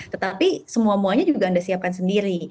tetapi semua muanya juga anda siapkan sendiri